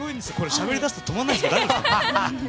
しゃべりだすと止まらないですけど大丈夫ですか。